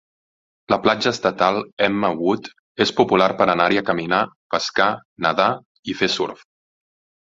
La platja estatal Emma Wood és popular per anar-hi a caminar, pescar, nedar i fer surf.